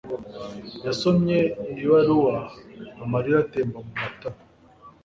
Yasomye ibaruwa amarira atemba mumatama.